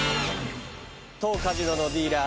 当カジノのディーラー